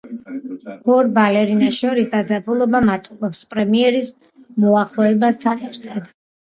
ორ ბალერინას შორის დაძაბულობა მატულობს პრემიერის მოახლოებასთან ერთად.